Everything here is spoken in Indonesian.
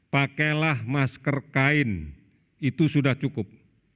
pakailah masker kain itu sudah cukup